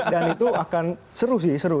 dan itu akan seru sih seru